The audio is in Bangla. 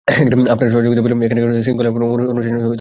আপনার সহযোগিতা পেলে এখানকার শৃঙ্খলা এবং অনুশাসন ফিরিয়ে আনবো, স্যার।